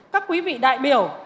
các quý vị đại biểu